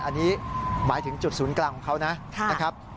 อันนี้หมายถึงจุดศูนย์กลางของเขานะครับ